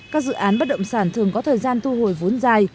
các dự án bất động sản thường có thời gian thu hồi vốn dài